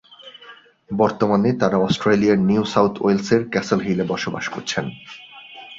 বর্তমানে তারা অস্ট্রেলিয়ার নিউ সাউথ ওয়েলসের ক্যাসল হিলে বসবাস করছেন।